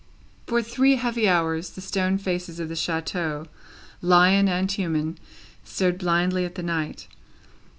For three heavy hours, the stone faces of the chateau, lion and human, stared blindly at the night.